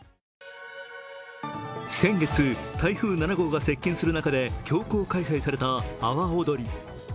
先月、台風７号が接近する中で強行開催された阿波おどり。